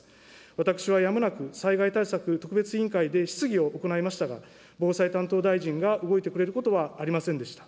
私はやむなく、災害対策特別委員会で質疑を行いましたが、防災担当大臣が動いてくれることはありませんでした。